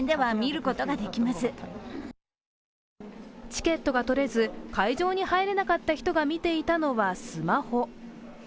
チケットがとれず会場に入れなかった人が見ていたのはスマホ。